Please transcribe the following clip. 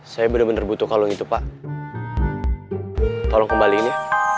saya bener bener butuh kalung itu pak tolong kembaliin ya